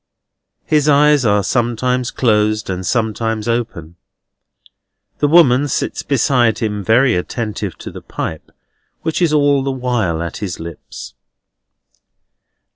His eyes are sometimes closed and sometimes open. The woman sits beside him, very attentive to the pipe, which is all the while at his lips.